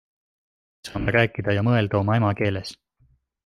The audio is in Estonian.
Me saame rääkida ja mõelda oma emakeeles.